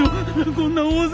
こんな大勢。